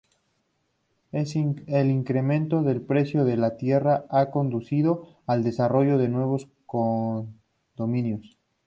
El incremento del precio de la tierra ha conducido al desarrollo de nuevos condominios.